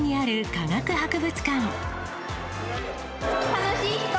楽しい人？